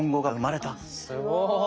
すごい。